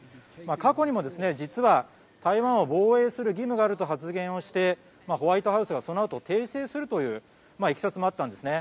過去にも実は台湾を防衛する義務があると発言してホワイトハウスがそのあと訂正するといういきさつもあったんですね。